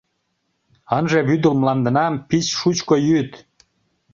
Ынже вӱдыл мландынам пич шучко йӱд.